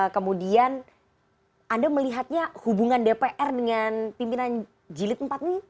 kemudian anda melihatnya hubungan dpr dengan pimpinan jilid empat ini